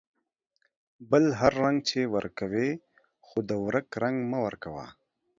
بل هر رنگ چې ورکوې ، خو د ورک رنگ مه ورکوه.